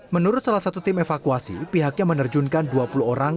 menurut salah satu tim evakuasi pihaknya menerjunkan dua puluh orang